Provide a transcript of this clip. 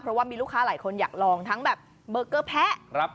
เพราะว่ามีลูกค้าหลายคนอยากลองทั้งแบบเบอร์เกอร์แพะ